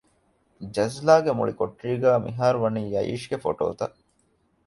ޖަޒްލާގެ މުޅި ކޮޓަރީގައި މިހާރުވަނީ ޔައީޝްގެ ފޮޓޯތައް